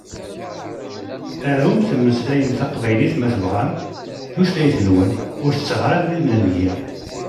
Arum temmeslayem taqbaylit ma tebɣam, tutlayt-nwen, ur tettaɣ ara abrid n nnger.